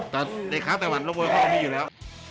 แต่เด็กค้าแต่วันแล้วบวกเขาจะมีอยู่แล้ว